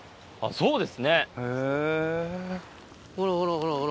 そうです。